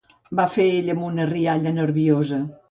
—va fer ell amb una rialla nerviosa.